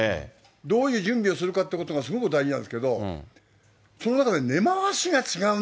どういう準備をするかっていうことがすごく大事なんですけど、そうですね。